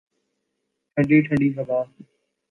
ٹھنڈی ٹھنڈی ہوا